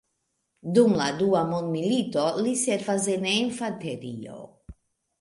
Dum la Dua Mondmilito, li servas en infanterio.